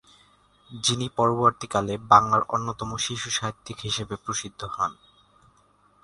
যিনি পরবর্তীকালে বাংলার অন্যতম শিশুসাহিত্যিক হিসাবে প্রসিদ্ধ হন।